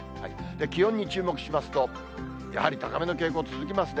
気温に注目しますと、やはり高めの傾向、続きますね。